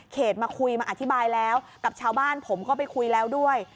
มาคุยมาอธิบายแล้วกับชาวบ้านผมก็ไปคุยแล้วด้วย